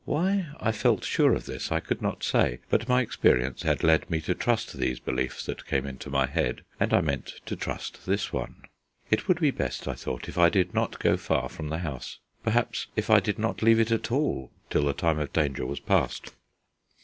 Why I felt sure of this I could not say, but my experience had led me to trust these beliefs that came into my head, and I meant to trust this one. It would be best, I thought, if I did not go far from the house perhaps even if I did not leave it at all till the time of danger was past.